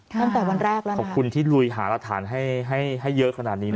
ตั้งแต่วันแรกแล้วนะขอบคุณที่ลุยหารักฐานให้ให้เยอะขนาดนี้นะ